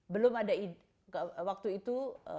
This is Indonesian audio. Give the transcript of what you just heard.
belum ada waktu itu